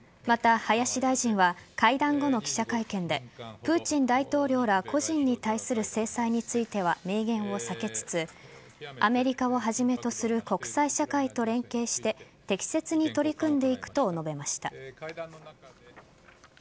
また、林大臣は会談後の記者会見でプーチン大統領ら個人に対する制裁については明言を避けつつアメリカをはじめとする国際社会と連携して適切に取り組んでいくと述べました。